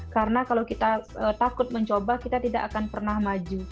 karena kalau kita takut mencoba kita tidak akan pernah maju